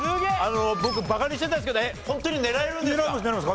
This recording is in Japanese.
僕バカにしてたんですけどホントに狙えるんですか？